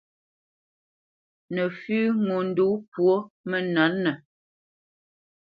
Nǝfʉ́ ŋo ndǒ pwo mǝnǝ̌tnǝ.